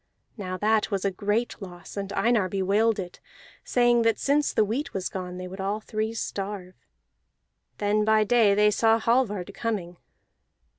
Now that was a great loss, and Einar bewailed it, saying that since the wheat was gone they would all three starve. Then by day they saw Hallvard coming.